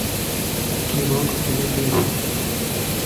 Keyboard ফেলে দিয়েছ।